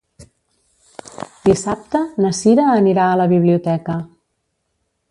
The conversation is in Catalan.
Dissabte na Sira anirà a la biblioteca.